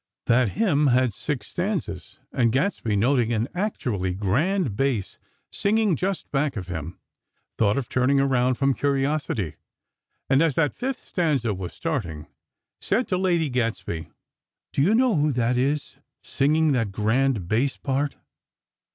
That hymn had six stanzas; and Gadsby, noting an actually grand bass singing just back of him, thought of turning around, from curiosity; and as that fifth stanza was starting, said to Lady Gadsby: "Do you know who that is, singing that grand bass part?"